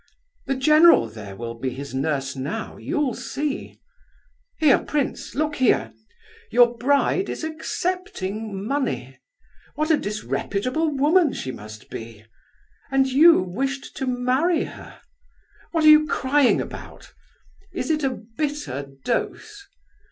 The general, there, will be his nurse now, you'll see. Here, prince, look here! Your bride is accepting money. What a disreputable woman she must be! And you wished to marry her! What are you crying about? Is it a bitter dose?